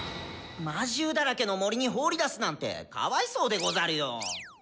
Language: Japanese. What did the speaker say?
⁉魔獣だらけの森に放り出すなんてかわいそうでござるよ。